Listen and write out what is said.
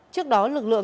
trước đó lực lượng